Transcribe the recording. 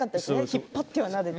引っ張っては、なでて。